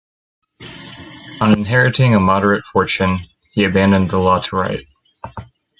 On inheriting a moderate fortune, he abandoned the law to write.